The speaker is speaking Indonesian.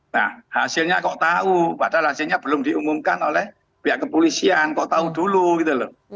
nah hasilnya kok tahu padahal hasilnya belum diumumkan oleh pihak kepolisian kok tahu dulu gitu loh